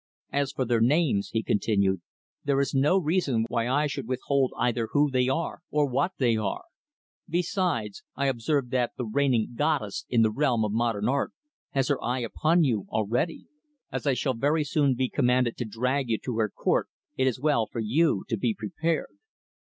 As for their names" he continued "there is no reason why I should withhold either who they are or what they are. Besides, I observed that the reigning 'Goddess' in the realm of 'Modern Art' has her eye upon you, already. As I shall very soon be commanded to drag you to her 'Court,' it is well for you to be prepared."